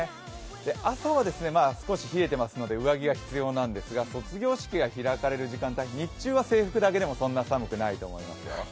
朝は少し冷えていますので上着が必要なんですが、卒業式が開かれる時間帯日中は制服だけでもそんなに寒くないと思いますよ。